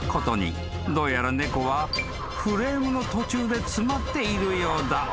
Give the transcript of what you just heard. ［どうやら猫はフレームの途中で詰まっているようだ］